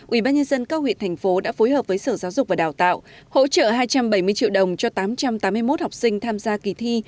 ubnd các huyện thành phố đã phối hợp với sở giáo dục và đào tạo hỗ trợ hai trăm bảy mươi triệu đồng cho tám trăm tám mươi một học sinh tham gia kỳ thi